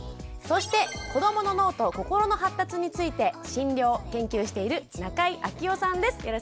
そして子どもの脳と心の発達について診療研究している中井昭夫さんです。